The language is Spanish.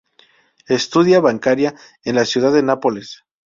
Estudia Bancaria, en la ciudad de Nápoles.